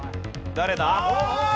誰だ？